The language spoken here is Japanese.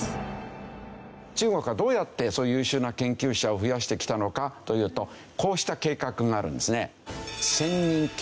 中国がどうやってそういう優秀な研究者を増やしてきたのかというとこうした計画があるんですね。